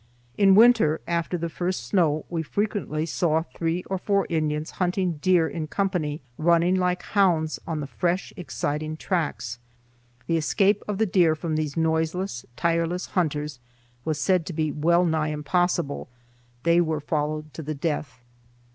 In winter, after the first snow, we frequently saw three or four Indians hunting deer in company, running like hounds on the fresh, exciting tracks. The escape of the deer from these noiseless, tireless hunters was said to be well nigh impossible; they were followed to the death.